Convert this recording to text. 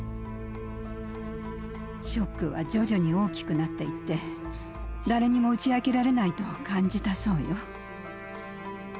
ショックは徐々に大きくなっていって誰にも打ち明けられないと感じたそうよ。